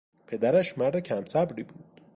پدرش مرد کم صبری بود.